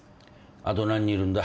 あと何人いるんだ？